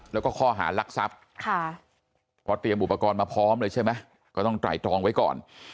แล้วก็ข้อหารักทรัพย์เพราะเตรียมอุปกรณ์มาพร้อมเลยใช่ไหมก็ต้องไตรตรองไว้ก่อน